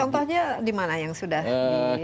contohnya dimana yang sudah di terapkan